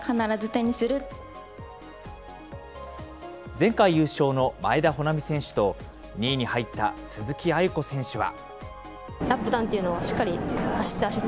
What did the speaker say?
前回優勝の前田穂南選手と、２位に入った鈴木亜由子選手は。